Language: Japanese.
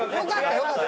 よかった。